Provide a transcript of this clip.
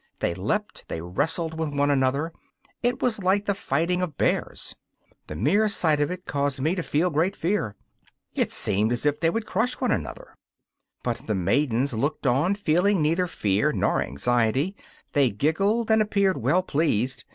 They leapt, they wrestled with one another; it was like the fighting of bears. The mere sight of it caused me to feel great fear. It seemed as if they would crush one another. But the maidens looked on, feeling neither fear nor anxiety; they giggled and appeared well pleased.